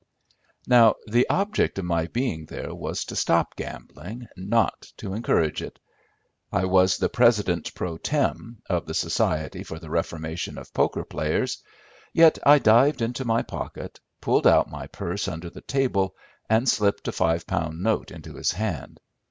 Now, the object of my being there was to stop gambling, not to encourage it. I was the president pro tem, of the Society for the Reformation of Poker Players, yet I dived into my pocket, pulled out my purse under the table and slipped a five pound note into his hand.